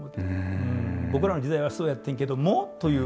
僕らの時代はそうやってんけどもという。